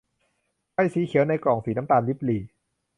ไฟสีเขียวในกล่องสีน้ำตาลริบหรี่